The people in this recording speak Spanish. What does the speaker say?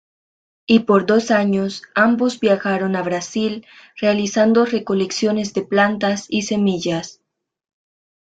Y por dos años, ambos viajaron al Brasil, realizando recolecciones de plantas y semillas.